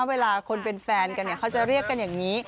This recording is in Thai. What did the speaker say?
เวลาคนเป็นแฟนกันเขาจะเรียกกันอย่างนี้